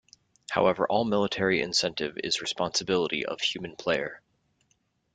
However all military incentive is responsibility of human player.